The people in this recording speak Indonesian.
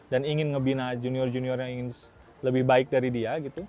dan ingin membina junior junior yang ingin lebih baik dari dia gitu